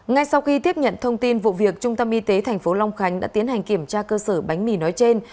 ngay sau khi tiếp nhận thông tin vụ việc trung tâm y tế tp long khánh đã tiến hành kiểm tra cơ sở bánh mì nói trên